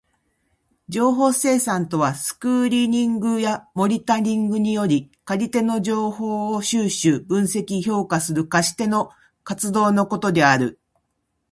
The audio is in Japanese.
情報生産とはスクリーニングやモニタリングにより借り手の情報を収集、分析、評価する貸し手の活動のことである。